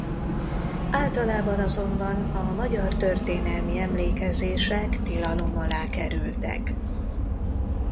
Általában azonban a magyar történelmi emlékezések tilalom alá kerültek.